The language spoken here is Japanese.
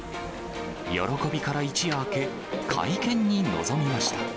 喜びから一夜明け、会見に臨みました。